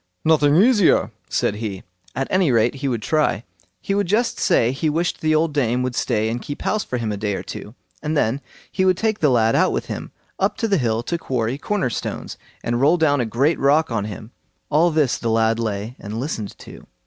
"Nothing easier", said he; at any rate he would try. He would just say he wished the old dame would stay and keep house for him a day or two, and then he would take the lad out with him up the hill to quarry corner stones, and roll down a great rock on him. All this the lad lay and listened to.